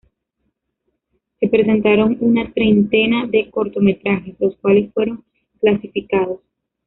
Se presentaron una treintena de cortometrajes, los cuales fueron clasificados.